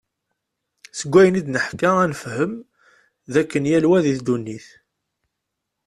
Seg wayen id-neḥka ad nefhem, d akken yal wa di ddunit.